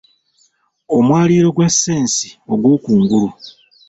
Omwaliiro gwa ssensi ogw'okungulu.